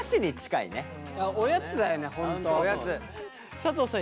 佐藤さん